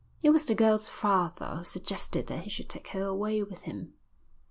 It was the girl's father who suggested that he should take her away with him.